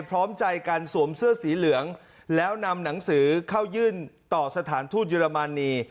พร้อมใจการสวมเสื้อสีเหลืองแล้วนำหนังสือเข้ายื่นต่อสถานทูตเยอรมนี